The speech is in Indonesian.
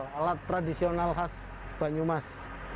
alat tradisional khas banyumas